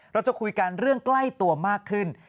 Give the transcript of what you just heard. เราจะคุยกันเรื่องใกล้ตัวมากขึ้น